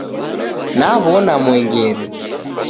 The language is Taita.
Naw'ona mwengere